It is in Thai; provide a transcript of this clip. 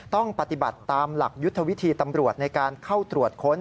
ต้องปฏิบัติตามหลักยุทธวิธีตำรวจในการเข้าตรวจค้น